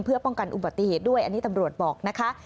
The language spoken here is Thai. เพื่อป้องกันอุบัติเหตุด้วยอันนี้ตำรวจบอกนะคะ